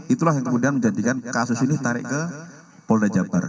itulah yang kemudian menjadikan kasus ini tarik ke polda jabar